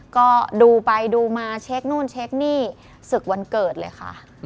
ก็ดูไปดูมาเช็คนู่นเช็คนี่ศึกวันเกิดเลยค่ะ